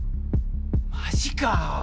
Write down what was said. マジか！